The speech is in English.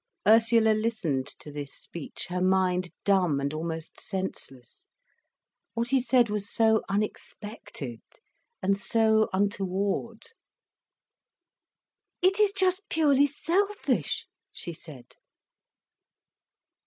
Ursula listened to this speech, her mind dumb and almost senseless, what he said was so unexpected and so untoward. "It is just purely selfish," she said.